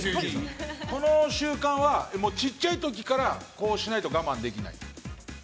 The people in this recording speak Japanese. この習慣はちっちゃい時からこうしないと我慢できない？